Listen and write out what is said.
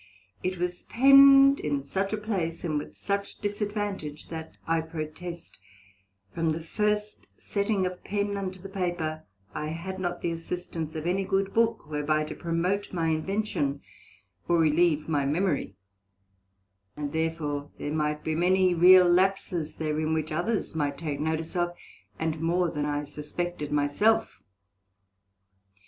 It was penned in such a place, and with such disadvantage, that (I protest) from the first setting of pen unto paper, I had not the assistance of any good Book, whereby to promote my invention, or relieve my memory; and therefore there might be many real lapses therein, which others might take notice of, and more than I suspected my self.